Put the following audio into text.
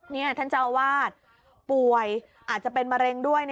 นี่ท่านเจ้าอาวาสป่วยอาจจะเป็นมะเร็งด้วย